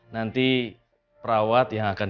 nanti perawat yang akan